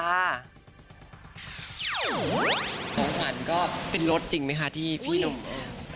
ของขวัญก็เป็นรถจริงไหมคะที่พี่ลง